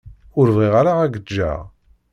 Ur bɣiɣ ara ad k-ǧǧeɣ.